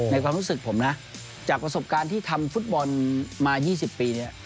ความรู้สึกผมนะจากประสบการณ์ที่ทำฟุตบอลมา๒๐ปีเนี่ย